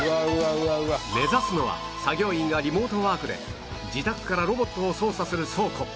目指すのは作業員がリモートワークで自宅からロボットを操作する倉庫